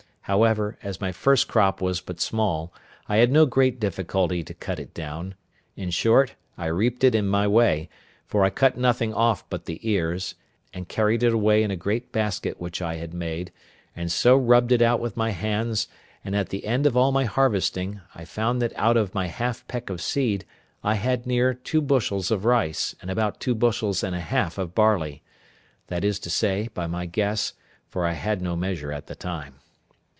However, as my first crop was but small, I had no great difficulty to cut it down; in short, I reaped it in my way, for I cut nothing off but the ears, and carried it away in a great basket which I had made, and so rubbed it out with my hands; and at the end of all my harvesting, I found that out of my half peck of seed I had near two bushels of rice, and about two bushels and a half of barley; that is to say, by my guess, for I had no measure at that time.